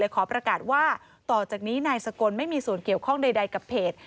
ขอประกาศว่าต่อจากนี้นายสกลไม่มีส่วนเกี่ยวข้องใดกับเพจ